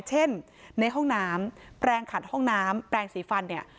เช่นในห้องน้ำแปลงขัดห้องน้ำแปลงสีฟันเนี่ย